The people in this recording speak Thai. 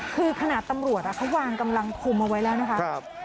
คือขนาดตำรวจเขาวางกำลังคุมเอาไว้แล้วนะคะ